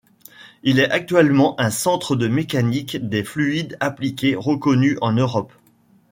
Il est actuellement un centre de mécanique des fluides appliquée reconnu en Europe.